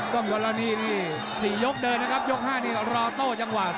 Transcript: กองกฎรณีสี่ยกเดินนะครับยก๕นี้อยากรอโต้จังหวะ๒